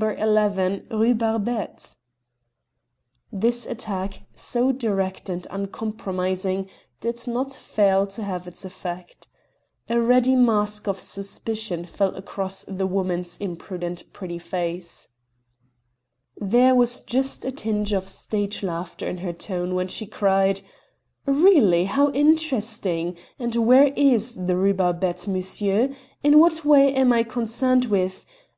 11, Rue Barbette." This attack, so direct and uncompromising, did not fail to have its effect. A ready mask of suspicion fell across the woman's impudent pretty face. There was just a tinge of stage laughter in her tone when she cried: "Really, how interesting! And where is the Rue Barbette, monsieur? In what way am I concerned with No.